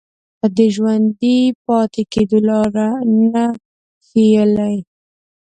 د ژوندي پاتې کېدو لاره نه ښييلې